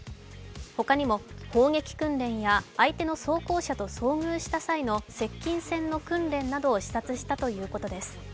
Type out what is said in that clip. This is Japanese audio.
他にも砲撃訓練や相手の装甲車と遭遇した際の接近戦の訓練などを視察したということです。